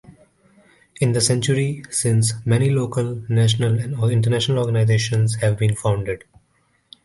In the century since, many local, national and international organizations have been founded.